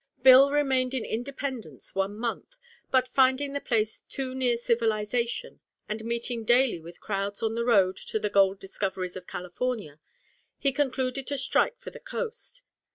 Bill remained in Independence one month, but finding the place too near civilization, and meeting daily with crowds on the road to the gold discoveries of California, he concluded to strike for the coast.